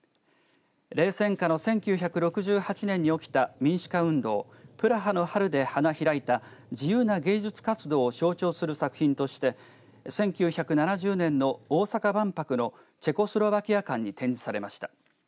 冷戦下の１９６８年に起きた民主化運動プラハの春で花開いた自由な芸術活動を象徴する作品として１９７０年の大阪万博のチェコスロバキア館に展示されました。